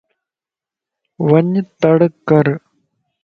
وڃ تڙڪَر